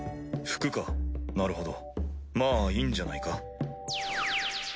服かなるほどまあいいんじゃないか？